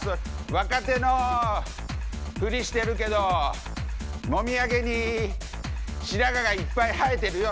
若手のふりしてるけどもみあげに白髪がいっぱい生えてるよ。